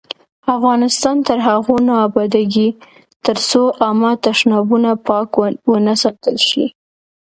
افغانستان تر هغو نه ابادیږي، ترڅو عامه تشنابونه پاک ونه ساتل شي.